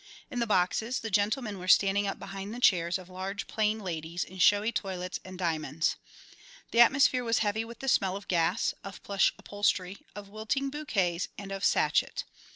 In the boxes the gentlemen were standing up behind the chairs of large plain ladies in showy toilets and diamonds. The atmosphere was heavy with the smell of gas, of plush upholstery, of wilting bouquets and of sachet.